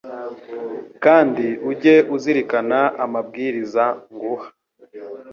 kandi ujye uzirikana amabwiriza nguha